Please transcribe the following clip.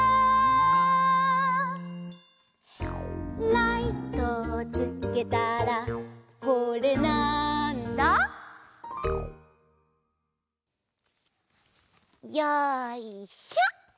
「ライトをつけたらこれ、なんだ？」よいしょ！